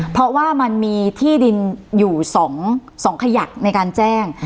เพราะว่ามันมีที่ดินอยู่๒ขยักในการแจ้ง